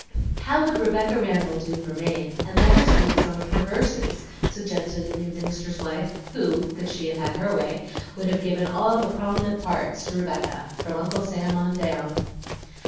"How would Rebecca Randall do for Maine, and let her speak some of her verses?" suggested the new minister's wife, who, could she have had her way, would have given all the prominent parts to Rebecca, from Uncle Sam down.